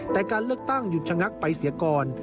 แต่การเลือกตั้งหยุดชะงักไปเสียก่อน